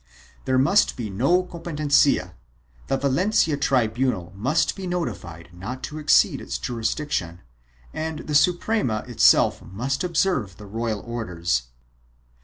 There must be no competencia; the Valencia tribunal must be notified not to exceed its juris diction and the Suprema itself must observe the royal orders.